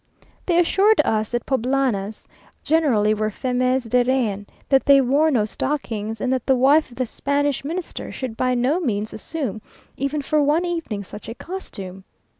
They assured us that Poblanas generally were femmes de rien, that they wore no stockings, and that the wife of the Spanish Minister should by no means assume, even for one evening, such a costume.